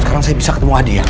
sekarang saya bisa ketemu adi ya